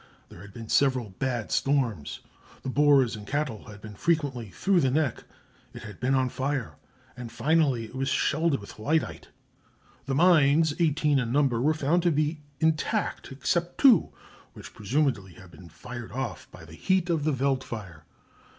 There had been several bad storms, the Boers and cattle had been frequently through the Nek, it had been on fire, and finally it was shelled with lyddite. The mines, eighteen in number, were found to be intact except two, which presumably had been fired off by the heat of the veldt fire.